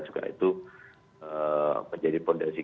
juga itu menjadi fondasi